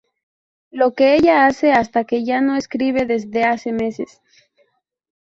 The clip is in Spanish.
Lo que ella hace hasta que ya no escribe desde hace meses.